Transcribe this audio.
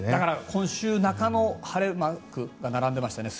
今週半ばの晴れマーク並んでいましたね。